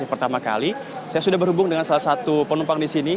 pertama kali saya sudah berhubung dengan salah satu penumpang di sini